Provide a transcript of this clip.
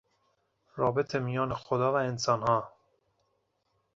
رابط میان خداوند و انسانها